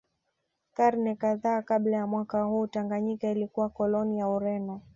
Karne kadhaa kabla ya mwaka huu Tanganyika ilikuwa koloni ya Ureno